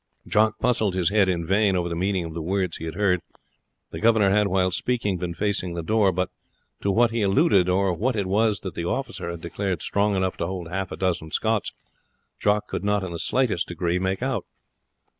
Jock puzzled his head in vain over the meaning of the words he had heard. The governor had while speaking been facing the door; but to what he alluded, or what it was that the officer had declared strong enough to hold half a dozen Scots, Jock could not in the slightest degree make out.